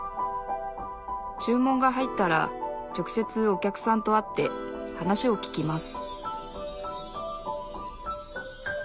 注文が入ったら直接お客さんと会って話を聞きます